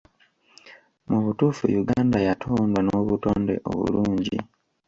Mu butuufu Uganda yatondwa n'obutonde obulungi.